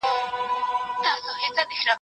تر کوډ ګرو، مداریانو، تعویذونو